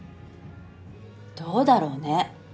どうだろうね。